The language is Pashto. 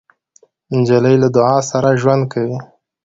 نجلۍ له دعا سره ژوند کوي.